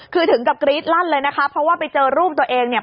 คือถึงกับกรี๊ดลั่นเลยนะคะเพราะว่าไปเจอรูปตัวเองเนี่ย